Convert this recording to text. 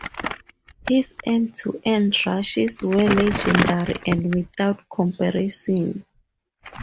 His end-to-end rushes were legendary and without comparison.